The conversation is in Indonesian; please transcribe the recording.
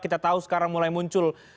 kita tahu sekarang mulai muncul